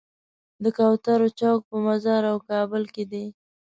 د کوترو چوک په مزار او کابل کې دی.